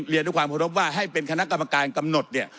เรียนด้วยความเคารพว่าให้เป็นคณะกรรมการกำหนดเนี่ย